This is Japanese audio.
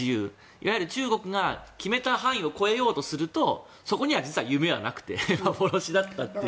いわゆる中国が決めた範囲を超えようとするとそこには実は夢はなくて幻だったという。